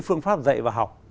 phương pháp dạy và học